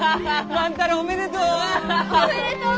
万太郎おめでとう！